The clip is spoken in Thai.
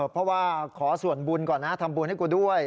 เพราะว่าขอส่วนบุญก่อนนะทำบุญให้กูด้วย